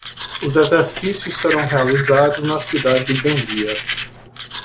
Os exercícios serão realizados na cidade de Gandia.